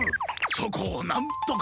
そこをなんとか！